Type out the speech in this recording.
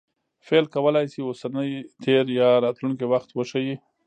فعل کولای سي اوسنی، تېر یا راتلونکى وخت وښيي.